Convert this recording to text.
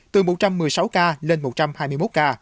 từ một trăm một mươi sáu ca lên một trăm hai mươi một ca